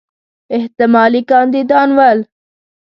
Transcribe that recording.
احتمالي کاندیدان ول.